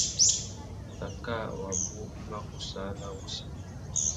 Cacā wabú i má kussāna wussi.